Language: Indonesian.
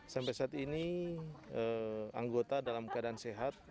sampai saat ini anggota dalam keadaan sehat